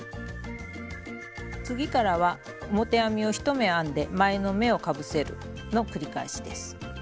次からは表編みを１目編んで前の目をかぶせるの繰り返しです。